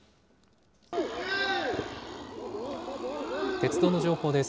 鉄道の情報です。